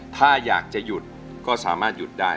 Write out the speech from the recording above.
ถ้าอยากจะหยุดก็สามารถหยุดได้